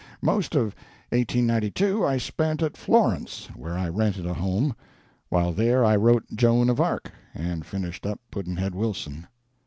"Most of 1892 I spent at Florence, where I rented a home. While there I wrote 'Joan of Arc' and finished up 'Pudd'nhead Wilson.'